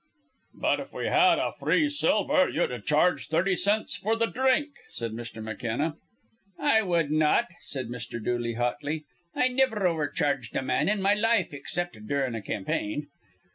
"But, if we had free silver, you'd charge thirty cents for the drink," said Mr. McKenna. "I wud not," said Mr. Dooley, hotly. "I niver overcharged a man in my life, except durin' a campaign."